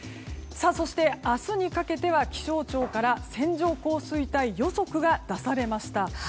そして、明日にかけては気象庁から線状降水帯予測が出されました。